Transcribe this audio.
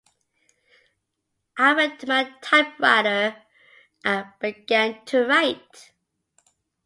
I went to my typewriter and began to write.